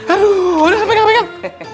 aduh udah sampekan sampekan